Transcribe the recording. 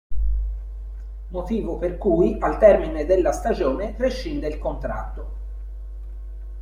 Motivo per cui al termine della stagione rescinde il contratto.